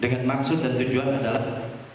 dengan maksud dan tujuan adalah